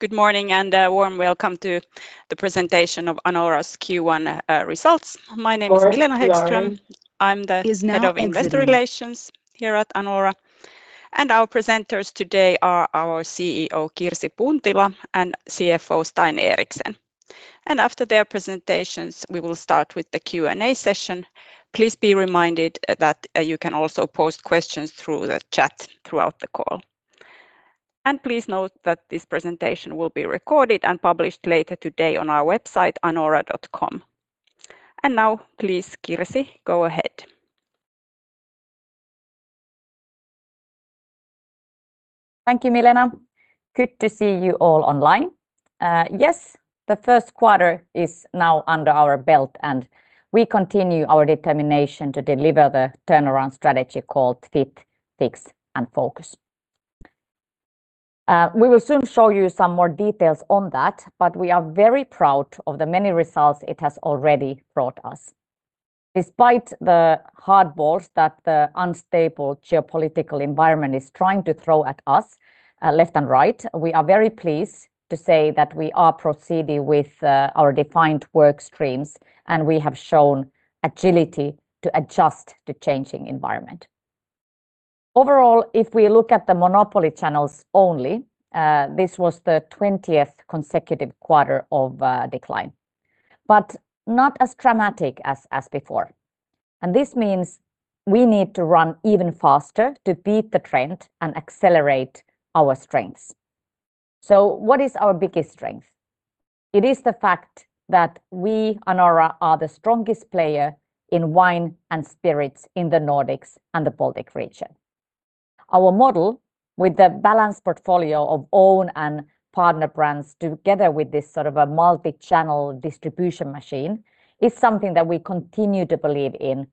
Good morning and a warm welcome to the presentation of Anora's Q1 results. My name is Milena Hæggström. PR is now exiting. I'm the Head of Investor Relations here at Anora. Our presenters today are our CEO, Kirsi Puntila, and CFO, Stein Eriksen. After their presentations, we will start with the Q&A session. Please be reminded that you can also post questions through the chat throughout the call. Please note that this presentation will be recorded and published later today on our website, anora.com. Now please, Kirsi, go ahead. Thank you, Milena. Good to see you all online. Yes, the first quarter is now under our belt, and we continue our determination to deliver the turnaround strategy called Fit, Fix and Focus. We will soon show you some more details on that, but we are very proud of the many results it has already brought us. Despite the hardballs that the unstable geopolitical environment is trying to throw at us, left and right, we are very pleased to say that we are proceeding with our defined workstreams, and we have shown agility to adjust to changing environment. Overall, if we look at the monopoly channels only, this was the 20th consecutive quarter of decline, but not as dramatic as before. This means we need to run even faster to beat the trend and accelerate our strengths. What is our biggest strength? It is the fact that we, Anora, are the strongest player in wine and spirits in the Nordics and the Baltic region. Our model, with the balanced portfolio of own and partner brands, together with this sort of a multi-channel distribution machine, is something that we continue to believe in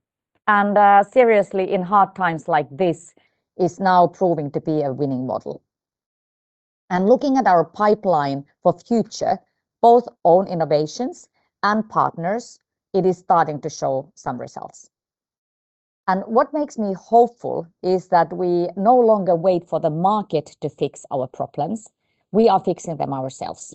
and, seriously, in hard times like this, is now proving to be a winning model. Looking at our pipeline for future, both own innovations and partners, it is starting to show some results. What makes me hopeful is that we no longer wait for the market to fix our problems. We are fixing them ourselves.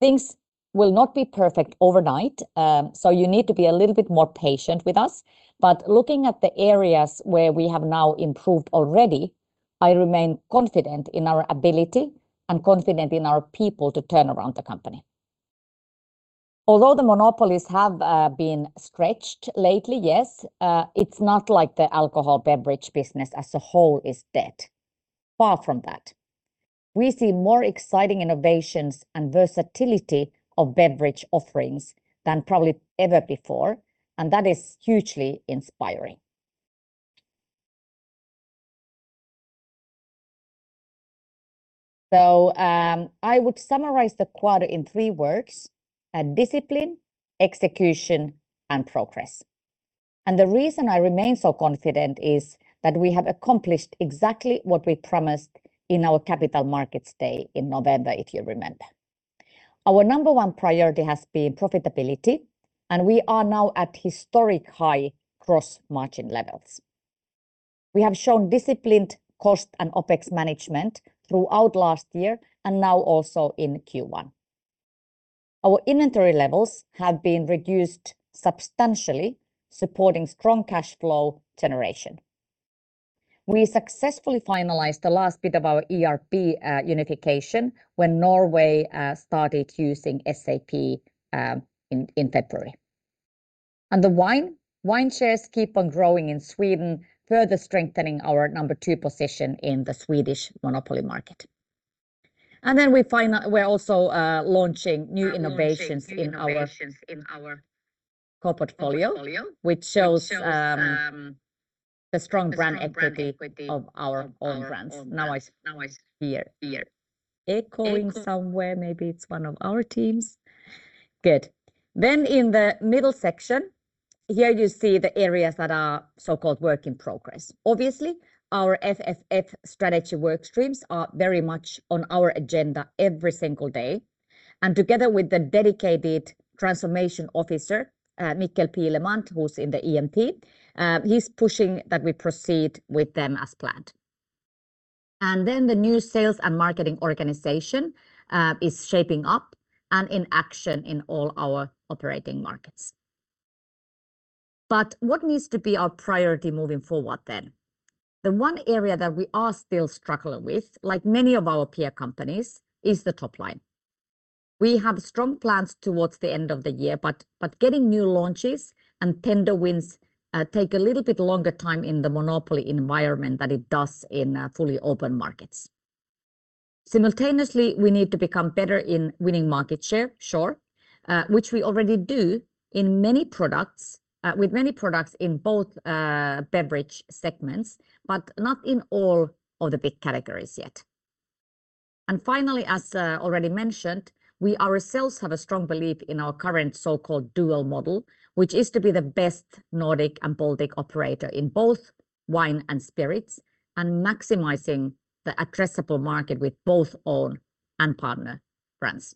Things will not be perfect overnight. You need to be a little bit more patient with us, but looking at the areas where we have now improved already, I remain confident in our ability and confident in our people to turn around the company. Although the monopolies have been stretched lately, yes, it's not like the alcohol beverage business as a whole is dead. Far from that. We see more exciting innovations and versatility of beverage offerings than probably ever before, and that is hugely inspiring. I would summarize the quarter in three words: discipline, execution, and progress. The reason I remain so confident is that we have accomplished exactly what we promised in our Capital Markets Day in November, if you remember. Our number one priority has been profitability, and we are now at historic-high gross margin levels. We have shown disciplined cost and OpEx management throughout last year and now also in Q1. Our inventory levels have been reduced substantially, supporting strong cash flow generation. We successfully finalized the last bit of our ERP unification when Norway started using SAP in February. The wine shares keep on growing in Sweden, further strengthening our number two position in the Swedish monopoly market. We're also launching new innovations in our core portfolio, which shows the strong brand equity of our own brands. Now I hear echoing somewhere. Maybe it's one of our teams. Good. In the middle section here, you see the areas that are so-called work in progress. Obviously, our FFF strategy work streams are very much on our agenda every single day, and together with the dedicated Transformation Officer, Mikkel Pilemand, who's in the EMT, he's pushing that we proceed with them as planned. The new sales and marketing organization is shaping up and in action in all our operating markets. What needs to be our priority moving forward then? The one area that we are still struggling with, like many of our peer companies, is the top line. We have strong plans towards the end of the year, but getting new launches and tender wins take a little bit longer time in the monopoly environment than it does in fully open markets. Simultaneously, we need to become better in winning market share, sure, which we already do in many products, with many products in both beverage segments, but not in all of the big categories yet. Finally, as already mentioned, we ourselves have a strong belief in our current so-called dual model, which is to be the best Nordic and Baltic operator in both wine and spirits, and maximizing the addressable market with both own and partner brands.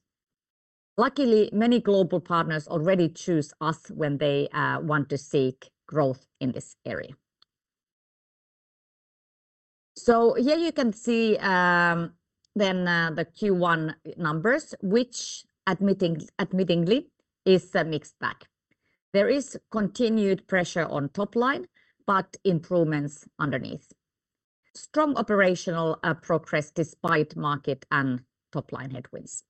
Luckily, many global partners already choose us when they want to seek growth in this area. Here you can see then the Q1 numbers, which admittedly is a mixed bag. There is continued pressure on top line, but improvements underneath. Strong operational progress despite market and top-line headwinds.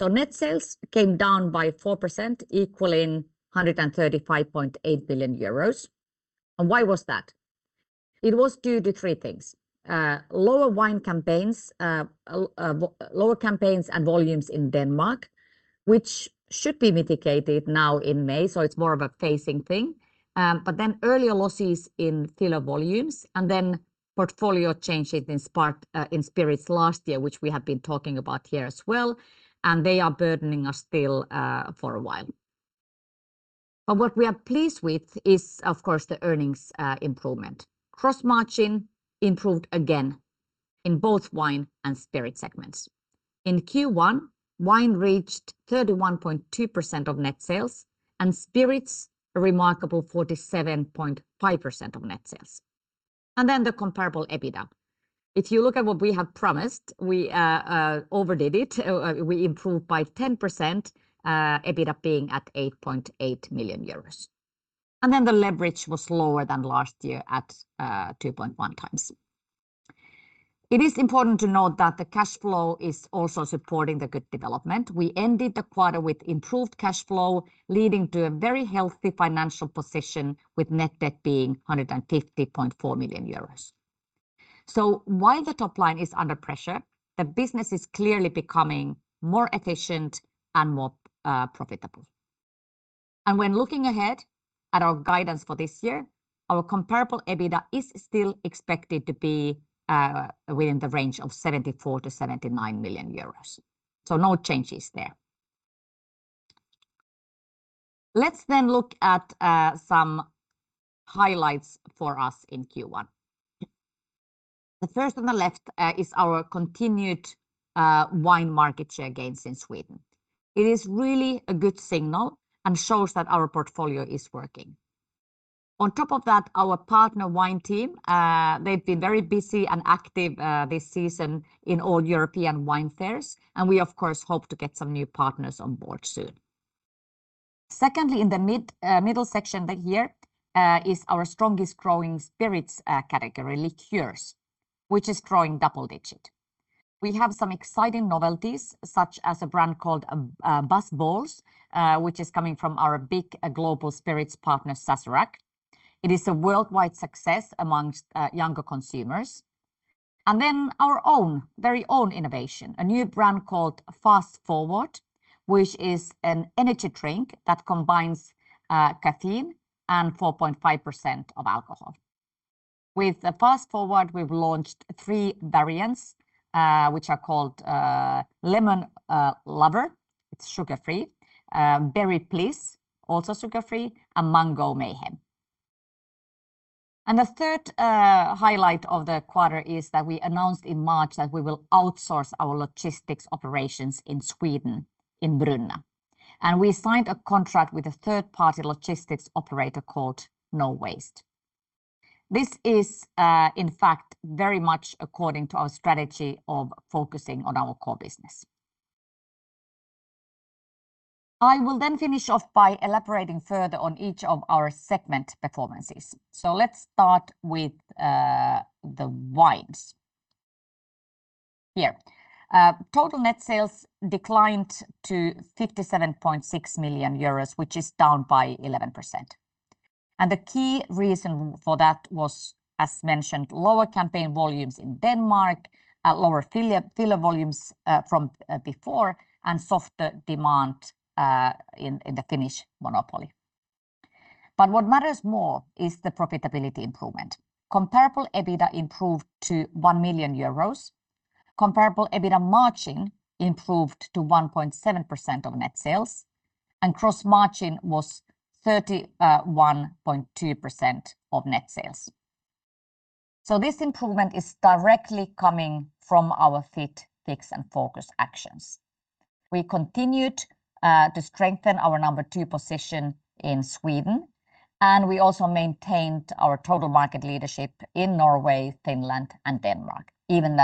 Net sales came down by 4%, equaling 135.8 billion euros. Why was that? It was due to three things. Lower wine campaigns, lower campaigns and volumes in Denmark, which should be mitigated now in May, so it's more of a phasing thing. Earlier losses in filler volumes and then portfolio changes in Spirits last year, which we have been talking about here as well, and they are burdening us still for a while. What we are pleased with is, of course, the earnings improvement. Gross margin improved again in both Wine and Spirit segments. In Q1, wine reached 31.2% of net sales and Spirits, a remarkable 47.5% of net sales. The comparable EBITDA. If you look at what we have promised, we overdid it. We improved by 10% EBITDA being at 8.8 million euros. The leverage was lower than last year at 2.1x. It is important to note that the cash flow is also supporting the good development. We ended the quarter with improved cash flow, leading to a very healthy financial position with net debt being 150.4 million euros. While the top line is under pressure, the business is clearly becoming more efficient and more profitable. When looking ahead at our guidance for this year, our comparable EBITDA is still expected to be within the range of 74 million-79 million euros, so no changes there. Let's look at some highlights for us in Q1. The first on the left is our continued wine market share gains in Sweden. It is really a good signal and shows that our portfolio is working. On top of that, our partner wine team, they've been very busy and active this season in all European wine fairs, and we of course hope to get some new partners on board soon. Secondly, in the mid, middle section here, is our strongest growing spirits category, liqueurs, which is growing double digits. We have some exciting novelties, such as a brand called BuzzBallz, which is coming from our big global spirits partner, Sazerac. It is a worldwide success amongst younger consumers. Our own, very own innovation, a new brand called Fast Forward, which is an energy drink that combines caffeine and 4.5% of alcohol. With the Fast Forward, we've launched three variants, which are called Lemon Lover, it's sugar-free, Berry Please, also sugar-free, and Mango Mayhem. The third highlight of the quarter is that we announced in March that we will outsource our logistics operations in Sweden, in Brunna, and we signed a contract with a third-party logistics operator called Nowaste. This is, in fact very much according to our strategy of focusing on our core business. I will finish off by elaborating further on each of our segment performances. Let's start with the Wines. Here. Total net sales declined to 57.6 million euros, which is down by 11%. The key reason for that was, as mentioned, lower campaign volumes in Denmark, lower filler volumes from before, and softer demand in the Finnish monopoly. What matters more is the profitability improvement. Comparable EBITDA improved to 1 million euros. Comparable EBITDA margin improved to 1.7% of net sales, and gross margin was 31.2% of net sales. This improvement is directly coming from our Fit, Fix and Focus actions. We continued to strengthen our number two position in Sweden, and we also maintained our total market leadership in Norway, Finland, and Denmark, even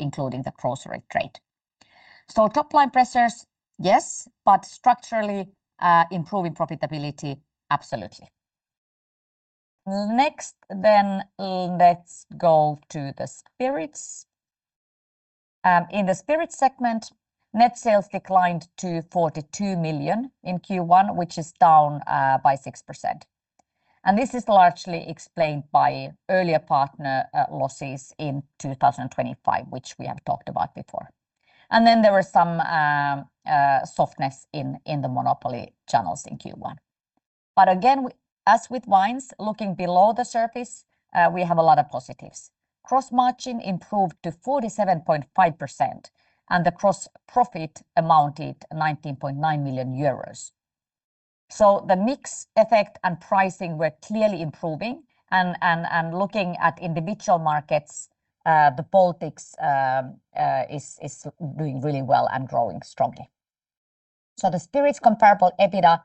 including the grocery trade. Top-line pressures, yes, but structurally improving profitability, absolutely. Next, let's go to the Spirits. In the Spirits segment, net sales declined to 42 million in Q1, which is down by 6%. This is largely explained by earlier partner losses in 2025, which we have talked about before. There were some softness in the monopoly channels in Q1. Again, as with Wines, looking below the surface, we have a lot of positives. Gross margin improved to 47.5%, and the gross profit amounted 19.9 million euros. The mix effect and pricing were clearly improving, looking at individual markets, the Baltics is doing really well and growing strongly. The Spirits comparable EBITDA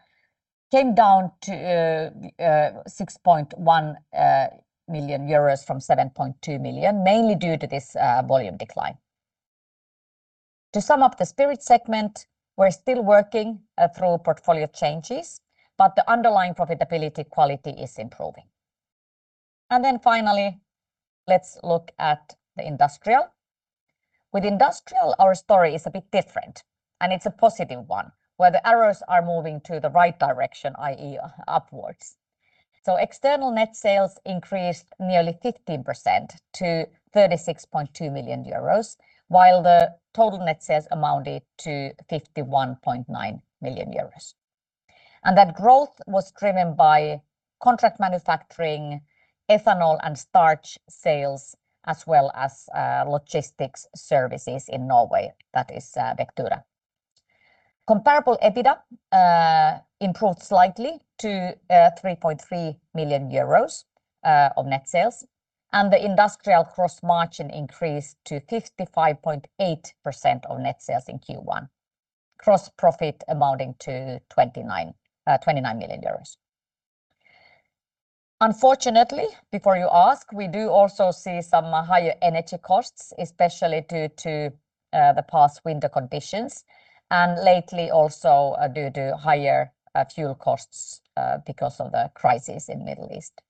came down to 6.1 million euros from 7.2 million, mainly due to this volume decline. To sum up the Spirit segment, we're still working through portfolio changes, but the underlying profitability quality is improving. Finally, let's look at the Industrial. With Industrial, our story is a bit different, and it's a positive one, where the arrows are moving to the right direction, i.e., upwards. External net sales increased nearly 15% to 36.2 million euros, while the total net sales amounted to 51.9 million euros. That growth was driven by contract manufacturing, ethanol and starch sales, as well as logistics services in Norway, that is, Vectura. Comparable EBITDA improved slightly to 3.3 million euros of net sales. The Industrial gross margin increased to 55.8% of net sales in Q1. Gross profit amounting to 29 million euros. Unfortunately, before you ask, we do also see some higher energy costs, especially due to the past winter conditions, and lately also due to higher fuel costs because of the crisis in Middle East.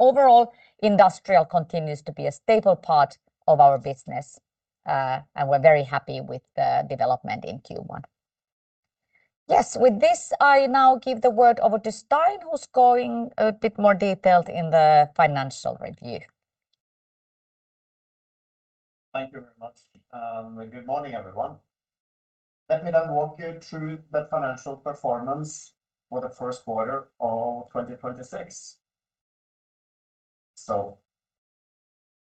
Overall, Industrial continues to be a stable part of our business, and we're very happy with the development in Q1. Yes, with this, I now give the word over to Stein, who's going a bit more detailed in the financial review. Thank you very much. Good morning, everyone. Let me now walk you through the financial performance for the first quarter of 2026.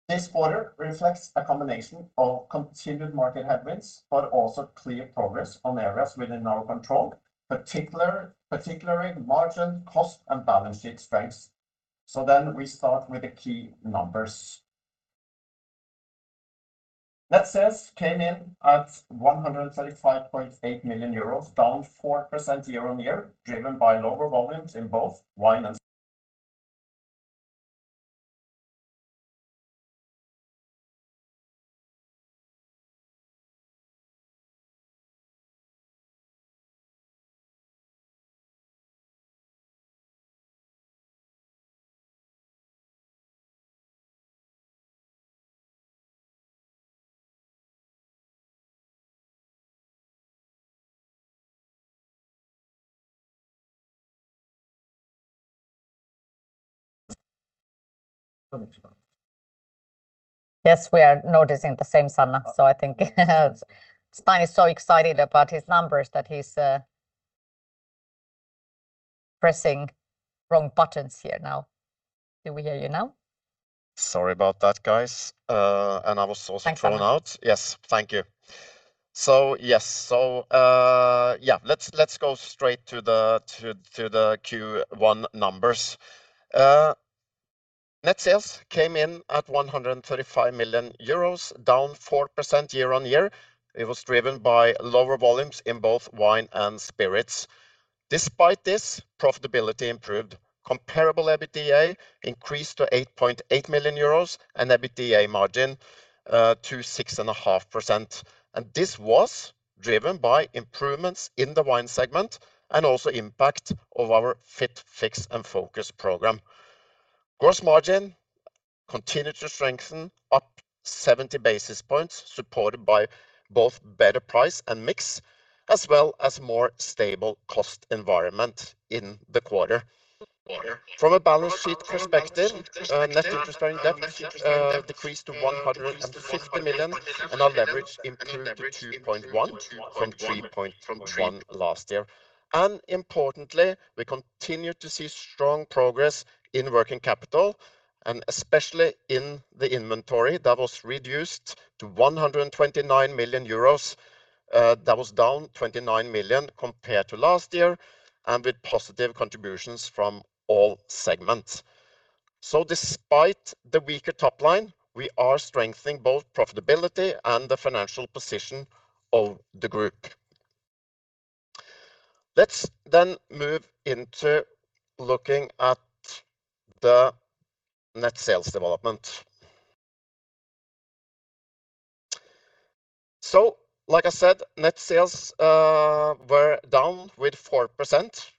This quarter reflects a combination of continued market headwinds, but also clear progress on areas within our control, particularly margin, cost, and balance sheet strengths. We start with the key numbers. Net sales came in at 135.8 million euros, down 4% year-on-year, driven by lower volumes in both wine and. Yes, we are noticing the same, Sanna. I think Stein is so excited about his numbers that he's pressing wrong buttons here now. Do we hear you now? Sorry about that, guys. I was also thrown out. Thanks, Sanna. Yes. Thank you. Let's go straight to the Q1 numbers. Net sales came in at 135 million euros, down 4% year-on-year. It was driven by lower volumes in both Wine and Spirits. Despite this, profitability improved. Comparable EBITDA increased to 8.8 million euros, and EBITDA margin to 6.5%. This was driven by improvements in the Wine segment and also impact of our Fit, Fix and Focus program. Gross margin continued to strengthen, up 70 basis points, supported by both better price and mix, as well as more stable cost environment in the quarter. From a balance sheet perspective, net interest bearing debt decreased to 150 million, and our leverage improved to 2.1 from 3.0 last year. Importantly, we continued to see strong progress in working capital, especially in the inventory that was reduced to 129 million euros. That was down 29 million compared to last year, with positive contributions from all segments. Despite the weaker top line, we are strengthening both profitability and the financial position of the group. Move into looking at the net sales development. Like I said, net sales were down with 4%.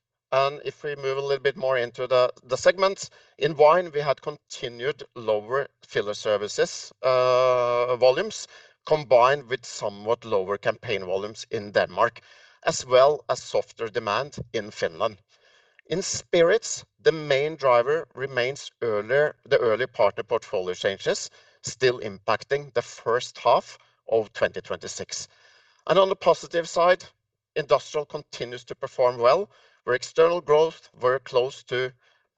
If we move a little bit more into the segments, in Wine, we had continued lower filler services volumes, combined with somewhat lower campaign volumes in Denmark, as well as softer demand in Finland. In Spirits, the main driver remains earlier, the early part of portfolio changes still impacting the first half of 2026. On the positive side, Industrial continues to perform well, where external growth were close to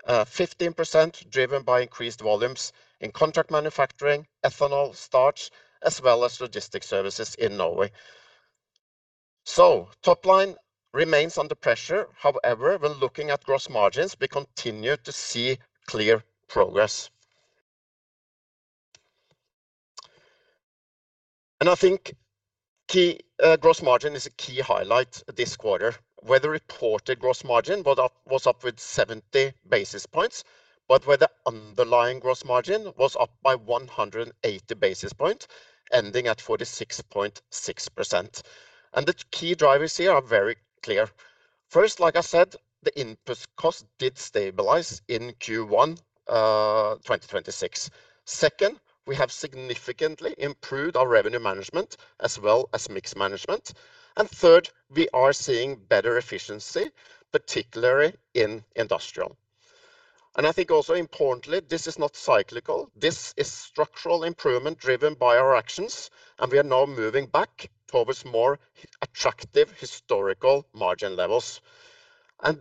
15%, driven by increased volumes in contract manufacturing, ethanol, starch, as well as logistic services in Norway. Top line remains under pressure. However, when looking at gross margins, we continue to see clear progress. I think key gross margin is a key highlight this quarter, where the reported gross margin was up with 70 basis points. Where the underlying gross margin was up by 180 basis points, ending at 46.6%. The key drivers here are very clear. First, like I said, the input cost did stabilize in Q1 2026. Second, we have significantly improved our revenue management as well as mix management. Third, we are seeing better efficiency, particularly in industrial. I think also importantly, this is not cyclical. This is structural improvement driven by our actions, and we are now moving back towards more attractive historical margin levels.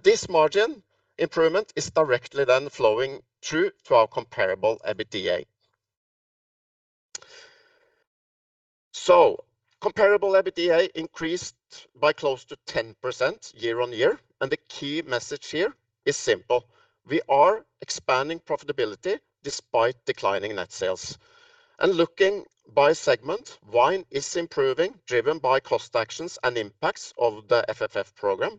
This margin improvement is directly then flowing through to our comparable EBITDA. Comparable EBITDA increased by close to 10% year-on-year, and the key message here is simple. We are expanding profitability despite declining net sales. Looking by segment, Wine is improving, driven by cost actions and impacts of the FFF program.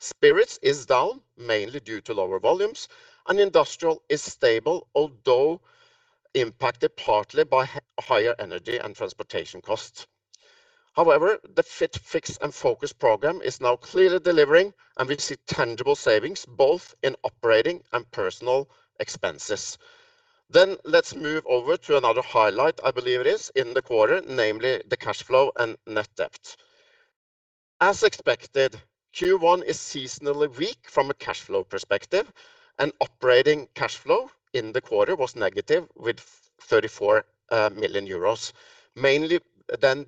Spirits is down mainly due to lower volumes, and industrial is stable, although impacted partly by higher energy and transportation costs. However, the Fit, Fix, and Focus program is now clearly delivering, and we see tangible savings both in operating and personal expenses. Let's move over to another highlight I believe it is in the quarter, namely the cash flow and net debt. As expected, Q1 is seasonally weak from a cash flow perspective, and operating cash flow in the quarter was negative with 34 million euros, mainly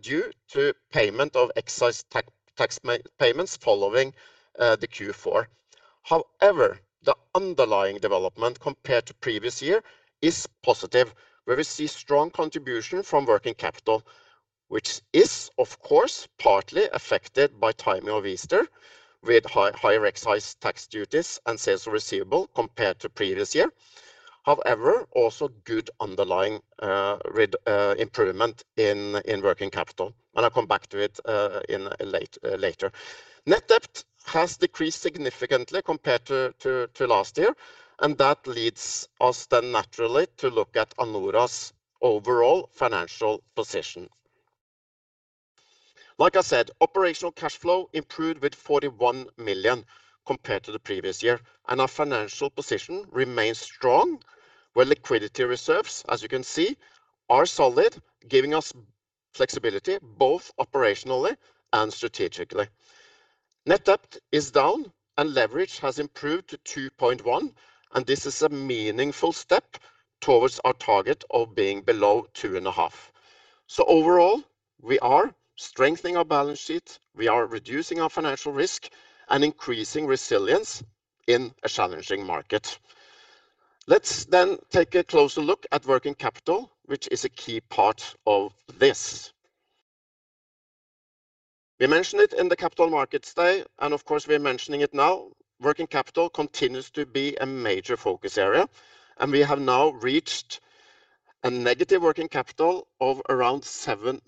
due to payment of excise tax payments following the Q4. However the underlying development compared to previous year is positive, where we see strong contribution from working capital, which is, of course, partly affected by timing of Easter with higher excise tax duties and sales receivable compared to previous year. However also good underlying improvement in working capital, and I'll come back to it later. Net debt has decreased significantly compared to last year, that leads us then naturally to look at Anora's overall financial position. Like I said, operational cash flow improved with 41 million compared to the previous year. Our financial position remains strong, where liquidity reserves, as you can see, are solid, giving us flexibility both operationally and strategically. Net debt is down. Leverage has improved to 2.1. This is a meaningful step towards our target of being below 2.5. Overall, we are strengthening our balance sheet. We are reducing our financial risk and increasing resilience in a challenging market. Let's take a closer look at working capital, which is a key part of this. We mentioned it in the Capital Markets Day. Of course, we are mentioning it now. Working capital continues to be a major focus area, and we have now reached a negative working capital of around 7%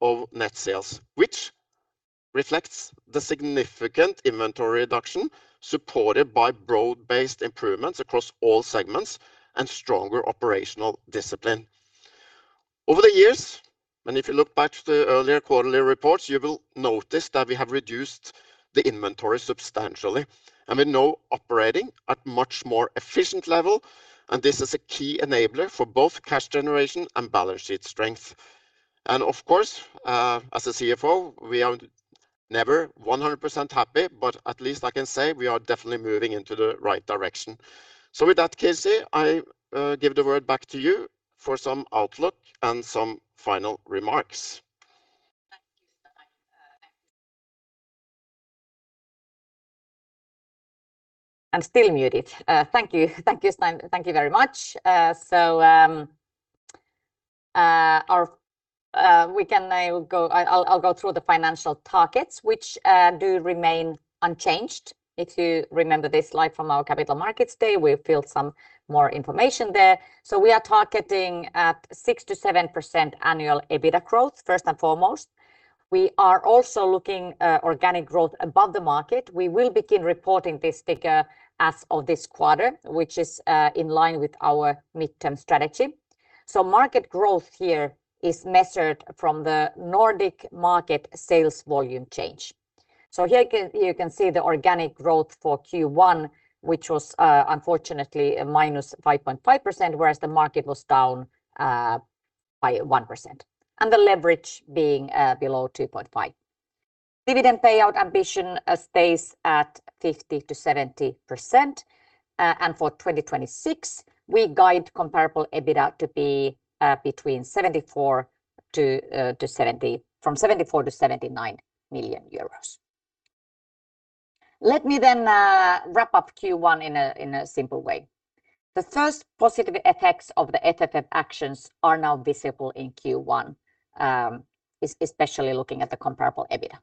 of net sales, which reflects the significant inventory reduction supported by broad-based improvements across all segments and stronger operational discipline. Over the years, and if you look back to the earlier quarterly reports, you will notice that we have reduced the inventory substantially, and we are now operating at much more efficient level, and this is a key enabler for both cash generation and balance sheet strength. Of course, as a CFO, we are never 100% happy, but at least I can say we are definitely moving into the right direction. With that, Kirsi, I give the word back to you for some outlook and some final remarks. I'm still muted. Thank you. Thank you, Stein. Thank you very much. I'll go through the financial targets, which do remain unchanged. If you remember this slide from our Capital Markets Day, we've built some more information there. We are targeting at 6%-7% annual EBITA growth, first and foremost. We are also looking organic growth above the market. We will begin reporting this figure as of this quarter, which is in line with our midterm strategy. Market growth here is measured from the Nordic market sales volume change. You can see the organic growth for Q1, which was unfortunately a -5.5%, whereas the market was down by 1%, and the leverage being below 2.5. Dividend payout ambition stays at 50%-70%. For 2026, we guide comparable EBITA to be between 74 million-79 million euros. Let me wrap up Q1 in a simple way. The first positive effects of the FFF actions are now visible in Q1, especially looking at the comparable EBITA.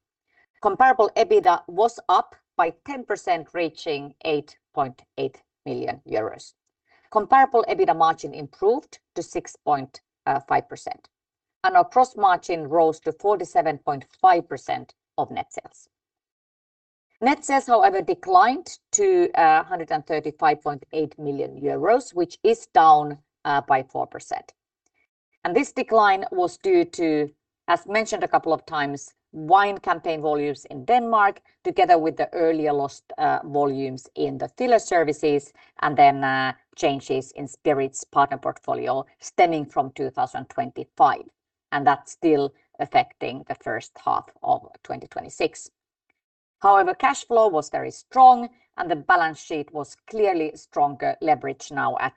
Comparable EBITDA was up by 10%, reaching 8.8 million euros. Comparable EBITDA margin improved to 6.5%, and our gross margin rose to 47.5% of net sales. Net sales, however, declined to 135.8 million euros, which is down by 4%. This decline was due to, as mentioned a couple of times, wine campaign volumes in Denmark together with the earlier lost volumes in the filler services, and changes in spirits partner portfolio stemming from 2025, and that's still affecting the first half of 2026. However, cash flow was very strong. The balance sheet was clearly stronger, leverage now at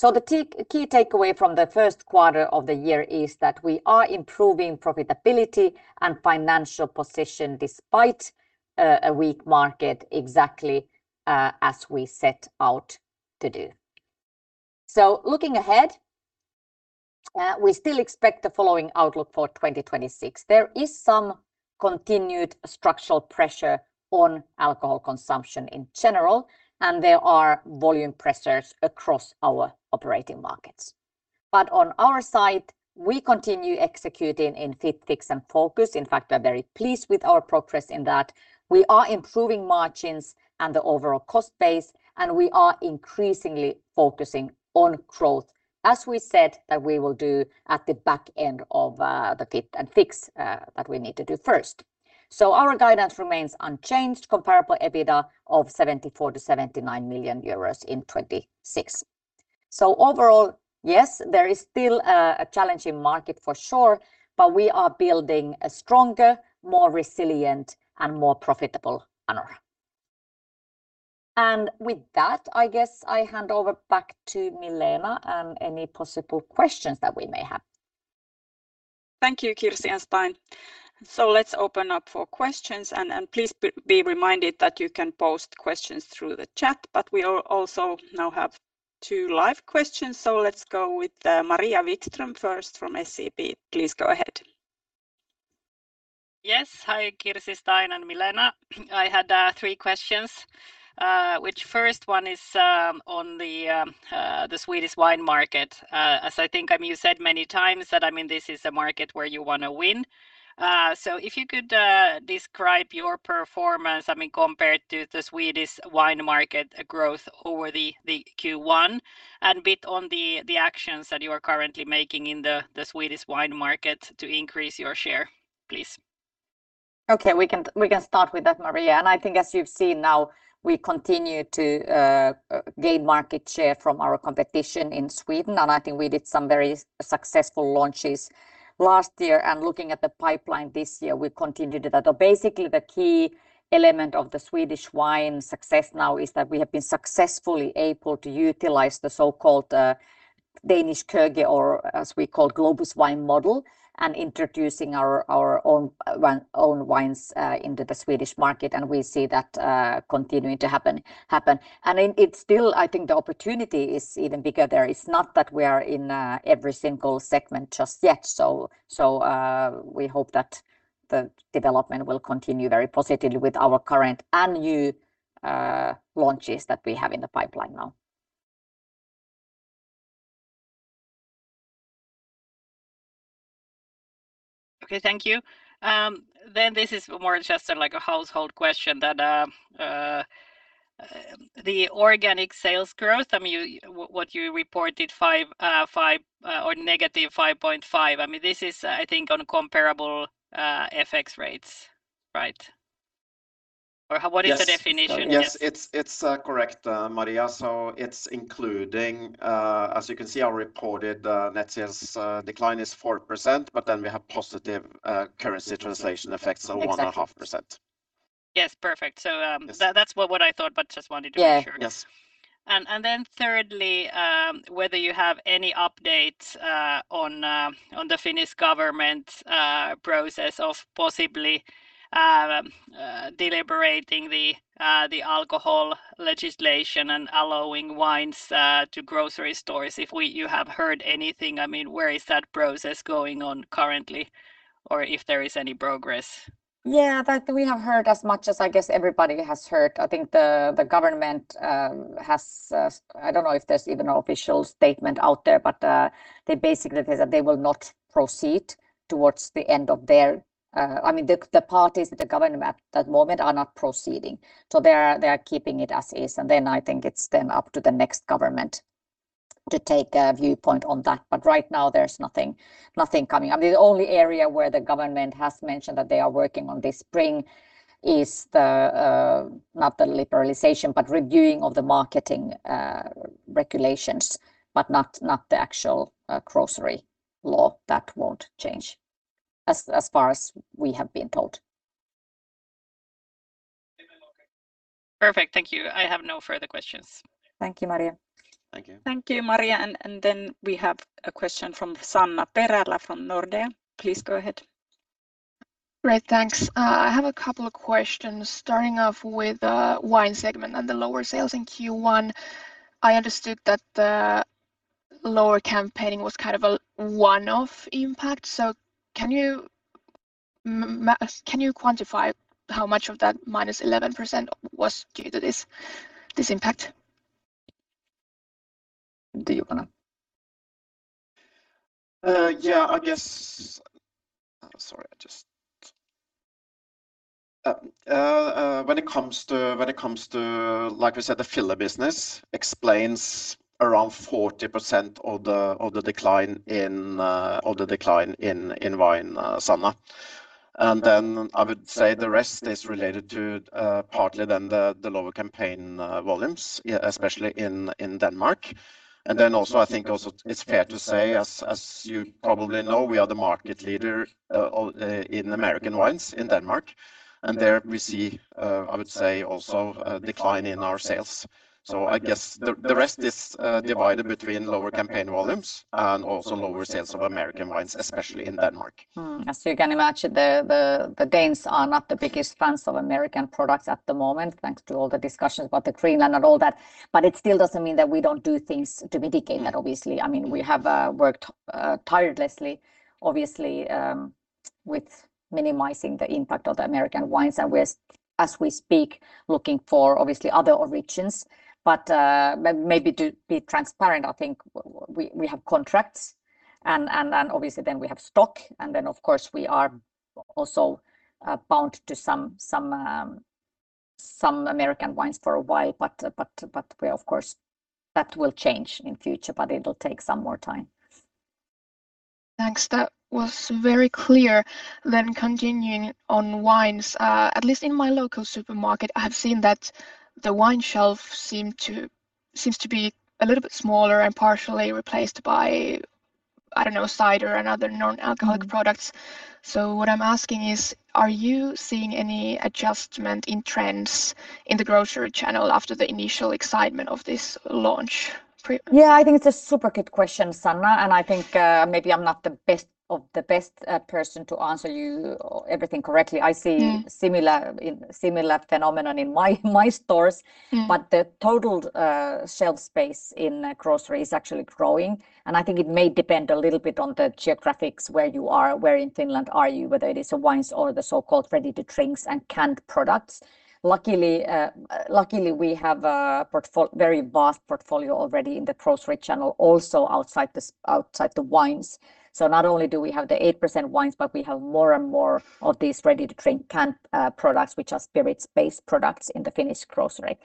2.1. The key takeaway from the first quarter of the year is that we are improving profitability and financial position despite a weak market exactly as we set out to do. Looking ahead, we still expect the following outlook for 2026. There is some continued structural pressure on alcohol consumption in general, and there are volume pressures across our operating markets. On our side, we continue executing in Fit, Fix and Focus. In fact, we're very pleased with our progress in that. We are improving margins and the overall cost base, and we are increasingly focusing on growth, as we said that we will do at the back end of the Fit and Fix that we need to do first. Our guidance remains unchanged, comparable EBITDA of 74 million-79 million euros in 2026. Overall, yes, there is still a challenging market for sure, but we are building a stronger, more resilient and more profitable Anora. With that, I guess I hand over back to Milena and any possible questions that we may have. Thank you, Kirsi and Stein. Let's open up for questions, and please be reminded that you can post questions through the chat. We also now have two live questions, let's go with Maria Wikström first from SEB. Please go ahead. Yes. Hi, Kirsi, Stein, and Milena. I had three questions, which first one is on the Swedish wine market. As I think, I mean, you said many times that, I mean, this is a market where you wanna win. If you could describe your performance, I mean, compared to the Swedish wine market growth over the Q1 and bit on the actions that you are currently making in the Swedish wine market to increase your share, please. Okay. We can start with that, Maria. I think as you've seen now, we continue to gain market share from our competition in Sweden, and I think we did some very successful launches last year. Looking at the pipeline this year, we continue to do that. Basically the key element of the Swedish wine success now is that we have been successfully able to utilize the so-called Danish Køge or as we call Globus Wine model, and introducing our own wines into the Swedish market, and we see that continuing to happen. It's still I think the opportunity is even bigger there. It's not that we are in every single segment just yet. We hope that the development will continue very positively with our current and new launches that we have in the pipeline now. Okay. Thank you. This is more just like a household question that, the organic sales growth, I mean, you, what you reported 5.5, or -5.5, I mean, this is, I think, on comparable FX rates, right? Or what is the definition? Yes. Yes. Yes. It's correct, Maria. It's including, as you can see, our reported, net sales, decline is 4%. We have positive, currency translation effects of 1.5%. Exactly. Yes. Perfect. Yes That's what I thought. Just wanted to be sure. Yeah. Yes. Thirdly, whether you have any updates on the Finnish government process of possibly deliberating the alcohol legislation and allowing wines to grocery stores, if you have heard anything. I mean, where is that process going on currently, or if there is any progress? Yeah. That we have heard as much as I guess everybody has heard. I think the government has, I don't know if there's even an official statement out there, but they basically say that they will not proceed towards the end of their I mean, the parties, the government at that moment are not proceeding. They are keeping it as is. I think it's then up to the next government to take a viewpoint on that. Right now there's nothing coming up. The only area where the government has mentioned that they are working on this spring is the not the liberalization, but reviewing of the marketing regulations, but not the actual grocery law. That won't change as far as we have been told. Perfect. Thank you. I have no further questions. Thank you, Maria. Thank you. Thank you, Maria. We have a question from Sanna Perälä from Nordea. Please go ahead. Great. Thanks. I have a couple of questions starting off with Wine segment and the lower sales in Q1. I understood that Lower campaigning was kind of a one-off impact. Can you quantify how much of that -11% was due to this impact? Do you wanna? Yeah, I guess Sorry, I just when it comes to, like we said, the filler business explains around 40% of the decline in Wine, Sanna. Then I would say the rest is related to partly the lower campaign volumes, especially in Denmark. Then also I think also it's fair to say, as you probably know, we are the market leader in American wines in Denmark, and there we see, I would say also a decline in our sales. I guess the rest is divided between lower campaign volumes and also lower sales of American wines, especially in Denmark. As you can imagine, the Danes are not the biggest fans of American products at the moment, thanks to all the discussions about Greenland and all that. It still doesn't mean that we don't do things to mitigate that, obviously. I mean, we have worked tirelessly, obviously, with minimizing the impact of the American wines. We're, as we speak, looking for obviously other origins, maybe to be transparent, I think we have contracts and obviously then we have stock, and then of course we are also bound to some American wines for a while, we of course, that will change in future, but it'll take some more time. Thanks. That was very clear. Continuing on Wines, at least in my local supermarket, I have seen that the wine shelf seems to be a little bit smaller and partially replaced by, I don't know, cider and other non-alcoholic products. What I'm asking is, are you seeing any adjustment in trends in the grocery channel after the initial excitement of this launch pre- Yeah, I think it's a super good question, Sanna, and I think maybe I'm not the best of the best person to answer you everything correctly. I see similar phenomenon in my stores. The total shelf space in grocery is actually growing, and I think it may depend a little bit on the geographics, where you are, where in Finland are you, whether it is the wines or the so-called ready-to-drinks and canned products. Luckily, luckily we have a very vast portfolio already in the grocery channel also outside the wines. Not only do we have the 8% wines, but we have more and more of these ready-to-drink canned products, which are spirits-based products in the Finnish grocery.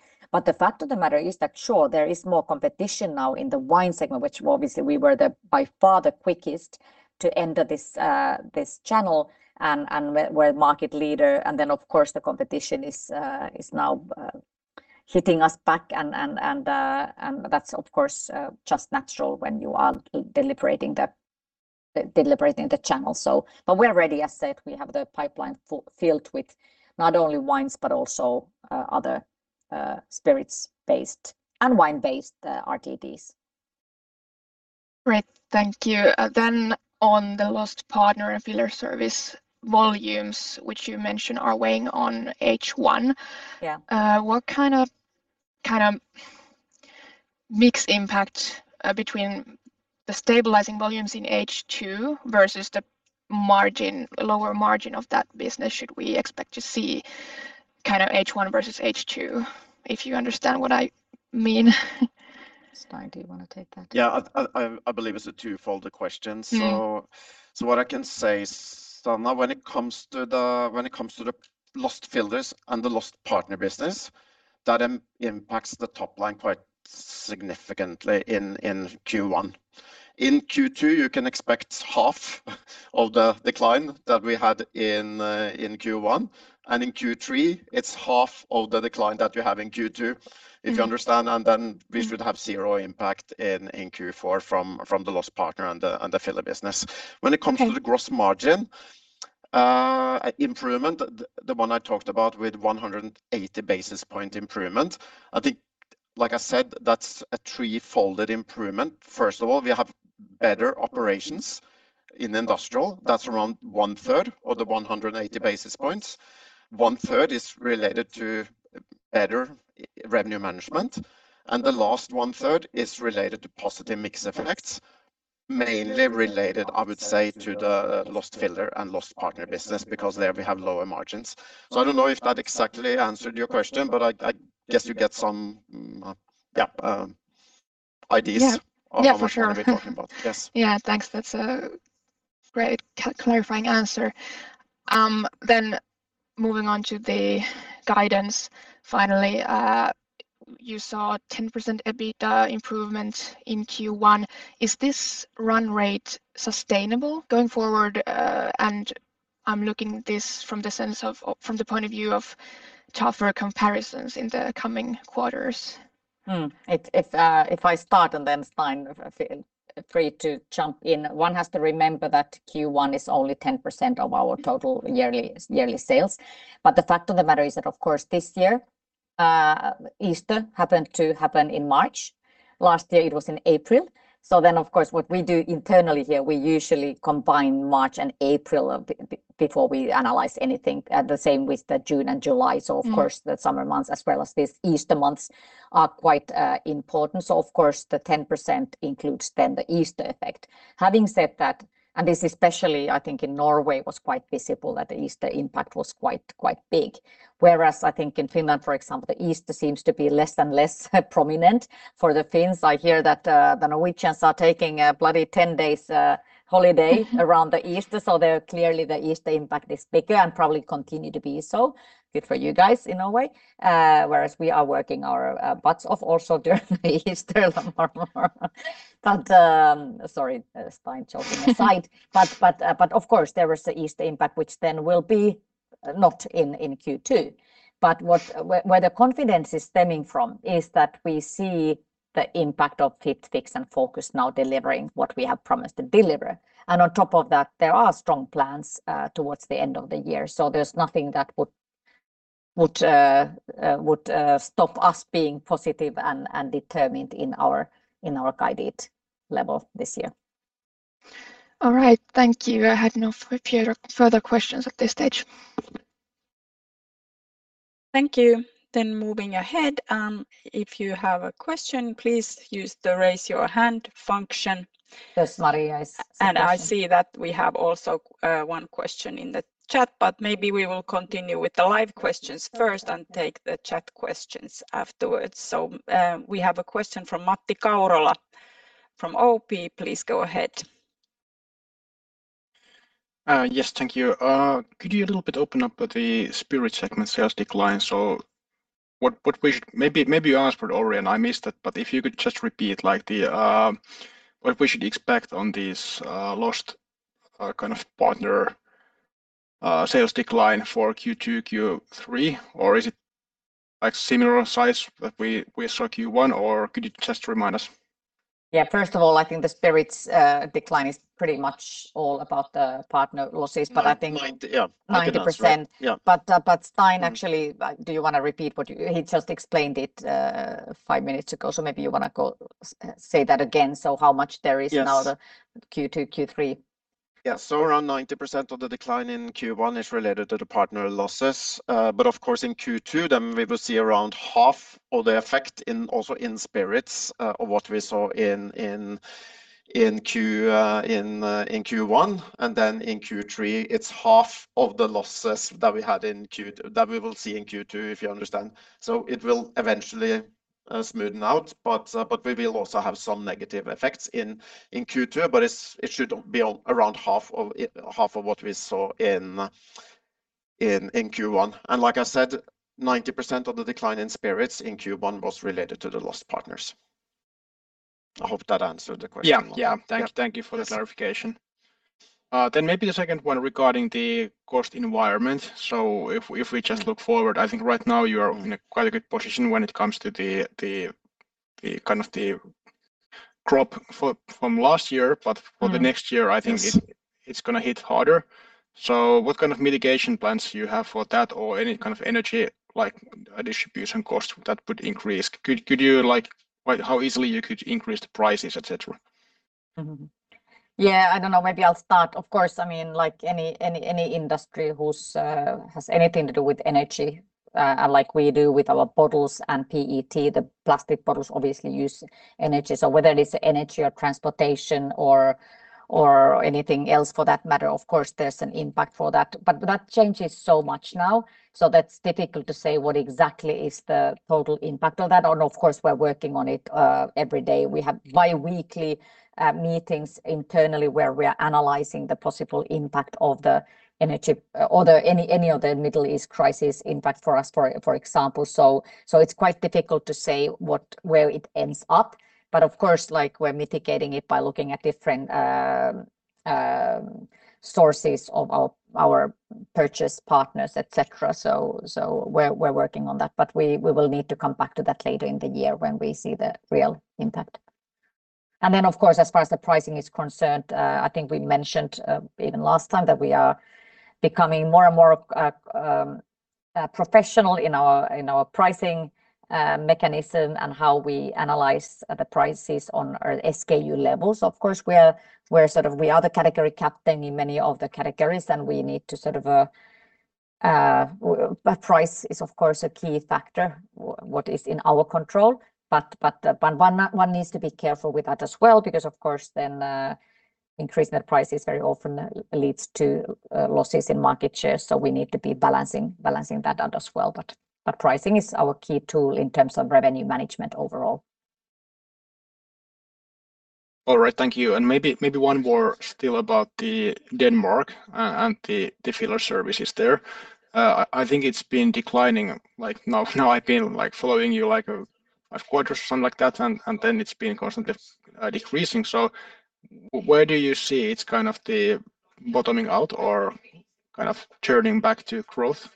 The fact of the matter is that, sure, there is more competition now in the wine segment, which obviously we were the by far the quickest to enter this channel and we're market leader. Of course, the competition is now hitting us back, and that's of course just natural when you are deliberating the channel. We're ready. As said, we have the pipeline filled with not only wines, but also other spirits-based and wine-based RTDs. Great. Thank you. On the lost partner and filler service volumes, which you mentioned are weighing on H1. Yeah. What kind of mix impact between the stabilizing volumes in H2 versus the margin, lower margin of that business should we expect to see kind of H1 versus H2? If you understand what I mean. Stein, do you wanna take that? Yeah. I believe it's a two-folder question. What I can say, Sanna, when it comes to the lost fillers and the lost partner business, that impacts the top line quite significantly in Q1. In Q2, you can expect half of the decline that we had in Q1, and in Q3, it's half of the decline that you have in Q2. If you understand. We should have zero impact in Q4 from the lost partner and the filler business. Okay. When it comes to the gross margin improvement, the one I talked about with 180 basis point improvement, I think, like I said, that's a three-folded improvement. First of all, we have better operations in industrial. That's around one-third of the 180 basis points. One-third is related to better revenue management, and the last one-third is related to positive mix effects, mainly related, I would say, to the lost filler and lost partner business because there we have lower margins. I don't know if that exactly answered your question, but I guess you get some yeah ideas. Yeah of what we're gonna be talking about. Yeah, for sure. Yes. Yeah. Thanks. That's a great clarifying answer. Moving on to the guidance, finally. You saw 10% EBITDA improvement in Q1. Is this run rate sustainable going forward? I'm looking this from the point of view of tougher comparisons in the coming quarters. If I start, Stein, feel free to jump in. One has to remember that Q1 is only 10% of our total yearly sales. The fact of the matter is that, of course, this year Easter happened to happen in March. Last year it was in April. Of course, what we do internally here, we usually combine March and April before we analyze anything. The same with the June and July. Of course, the summer months, as well as these Easter months, are quite important. Of course, the 10% includes then the Easter effect. Having said that, and this especially I think in Norway was quite visible, that the Easter impact was quite big, whereas I think in Finland, for example, the Easter seems to be less and less prominent for the Finns. I hear that the Norwegians are taking a bloody 10 days holiday around the Easter, so they're clearly the Easter impact is bigger and probably continue to be so. Good for you guys in a way, whereas we are working our butts off also during the Easter and more. Sorry, Stein joking aside. Of course there is the Easter impact, which then will be not in Q2. Where, where the confidence is stemming from is that we see the impact of Fit, Fix and Focus now delivering what we have promised to deliver. On top of that, there are strong plans towards the end of the year, so there's nothing that would stop us being positive and determined in our guided level this year. All right. Thank you. I have no further questions at this stage. Thank you. Moving ahead, if you have a question, please use the raise your hand function. There's Maria's question. I see that we have also, one question in the chat, but maybe we will continue with the live questions first and take the chat questions afterwards. We have a question from Matti Kaurola from OP. Please go ahead. Yes. Thank you. Could you a little bit open up the Spirits segment sales decline? Maybe you answered already and I missed it, but if you could just repeat like the what we should expect on this lost kind of partner sales decline for Q2, Q3, or is it like similar size that we saw Q1, or could you just remind us? Yeah. First of all, I think the spirits decline is pretty much all about the partner losses. nine, yeah. 90%. Yeah. Stein, actually, do you want to repeat what you He just explained it, five minutes ago, so maybe you wanna go say that again, so how much there is. Yes now the Q2, Q3. Around 90% of the decline in Q1 is related to the partner losses. But of course in Q2, then we will see around half of the effect in, also in Spirits, of what we saw in Q1. Then in Q3, it's half of the losses that we had in Q2, that we will see in Q2, if you understand. It will eventually smoothen out, but we will also have some negative effects in Q2, but it should be around half of what we saw in Q1. Like I said, 90% of the decline in Spirits in Q1 was related to the lost partners. I hope that answered the question. Yeah, yeah. Yeah. Thank you. Thank you for the clarification. Maybe the second one regarding the cost environment. If we just look forward, I think right now you are in a quite a good position when it comes to the kind of the crop for from last year, but for the next year. Yes It's gonna hit harder. What kind of mitigation plans do you have for that or any kind of energy, like distribution costs that would increase? Could you like how easily you could increase the prices, et cetera? I don't know, maybe I'll start. Of course, I mean, like any industry who has anything to do with energy, like we do with our bottles and PET, the plastic bottles obviously use energy, so whether it is energy or transportation or anything else for that matter, of course there's an impact for that. That changes so much now, so that's difficult to say what exactly is the total impact of that. Of course, we're working on it every day. We have bi-weekly meetings internally where we are analyzing the possible impact of the energy or any of the Middle East crisis impact for us, for example. It's quite difficult to say where it ends up. Of course, like we're mitigating it by looking at different sources of our purchase partners, et cetera. We're working on that. We will need to come back to that later in the year when we see the real impact. Of course, as far as the pricing is concerned, I think we mentioned even last time that we are becoming more and more professional in our pricing mechanism and how we analyze the prices on our SKU levels. Of course, we're sort of, we are the category captain in many of the categories, and we need to sort of. Price is, of course, a key factor what is in our control. One needs to be careful with that as well because of course, then, increasing the prices very often leads to losses in market share. We need to be balancing that out as well. Pricing is our key tool in terms of revenue management overall. All right. Thank you. Maybe one more still about the Denmark, and the filler services there. I think it's been declining, like now I've been like following you like a half quarters or something like that, and then it's been constantly, decreasing. So where do you see it's kind of the bottoming out or kind of turning back to growth?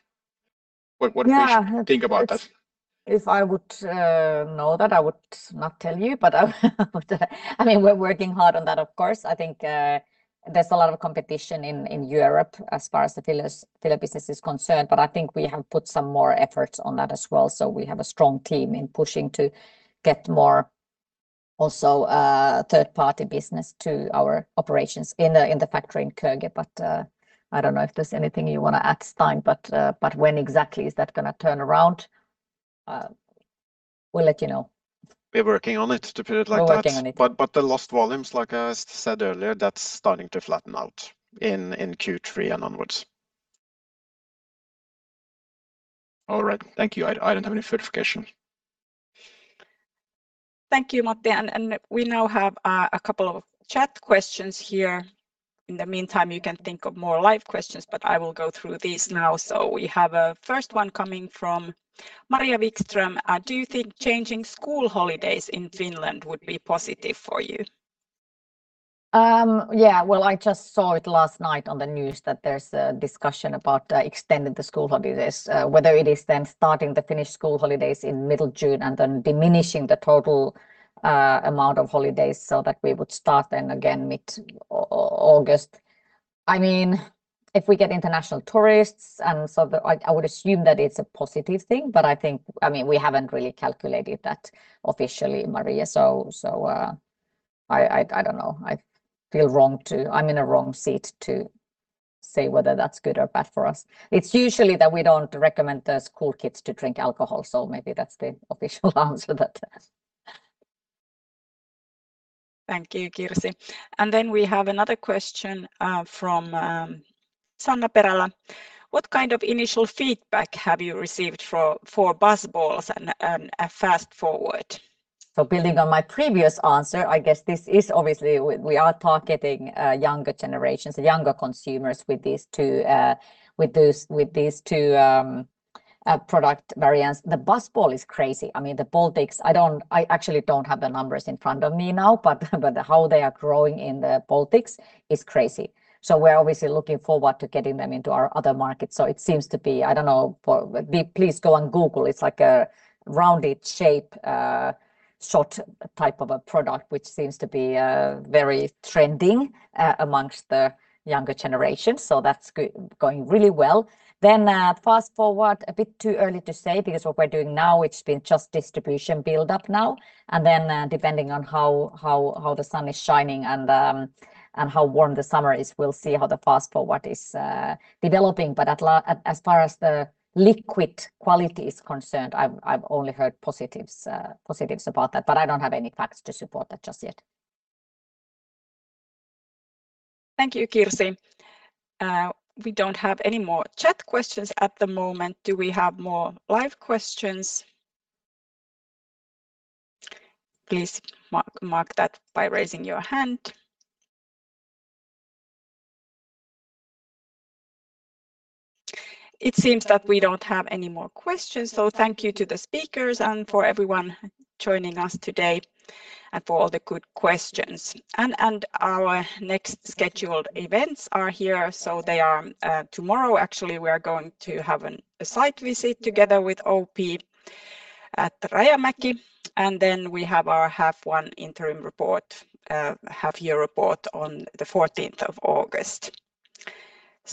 Yeah think about that? If I would know that, I would not tell you, I mean, we're working hard on that, of course. I think there's a lot of competition in Europe as far as the filler business is concerned, but I think we have put some more efforts on that as well. We have a strong team in pushing to get Also, third party business to our operations in the factory in Køge. I don't know if there's anything you wanna add, Stein, when exactly is that gonna turn around? We'll let you know. We're working on it, to put it like that. We're working on it. The lost volumes, like I said earlier, that's starting to flatten out in Q3 and onwards. All right. Thank you. I don't have any further question. Thank you, Matti. And we now have a couple of chat questions here. In the meantime, you can think of more live questions, but I will go through these now. We have a first one coming from Maria Wikström. Do you think changing school holidays in Finland would be positive for you? I just saw it last night on the news that there's a discussion about extending the school holidays. Whether it is starting the Finnish school holidays in mid-June and diminishing the total amount of holidays so that we would start again mid-August. I mean, if we get international tourists, I would assume that it's a positive thing, but I think, I mean, we haven't really calculated that officially, Maria. I, I don't know. I feel wrong to say whether that's good or bad for us. It's usually that we don't recommend the school kids to drink alcohol, maybe that's the official answer that. Thank you, Kirsi. We have another question from Sanna Perälä. What kind of initial feedback have you received for BuzzBallz and Fast Forward? Building on my previous answer, I guess this is obviously we are targeting younger generations, younger consumers with these two product variants. The BuzzBallz is crazy. I mean, the Baltics, I don't, I actually don't have the numbers in front of me now, but how they are growing in the Baltics is crazy. We're obviously looking forward to getting them into our other markets, it seems to be, I don't know, for please go on Google. It's like a rounded shape, shot type of a product, which seems to be very trending amongst the younger generation, that's going really well. Fast Forward, a bit too early to say because what we're doing now, it's been just distribution build up now. Depending on how, how the sun is shining and how warm the summer is, we'll see how the Fast Forward is developing. As far as the liquid quality is concerned, I've only heard positives about that. I don't have any facts to support that just yet. Thank you, Kirsi. We don't have any more chat questions at the moment. Do we have more live questions? Please mark that by raising your hand. It seems that we don't have any more questions, so thank you to the speakers and for everyone joining us today and for all the good questions. Our next scheduled events are here, so they are, tomorrow actually we are going to have a site visit together with OP at Rajamäki. We have our half-year report on the 14th of August.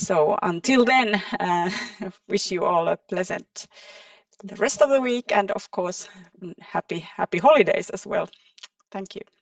Until then, wish you all a pleasant the rest of the week and of course happy holidays as well. Thank you.